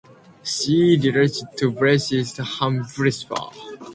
She retired to Bramley, Hampshire.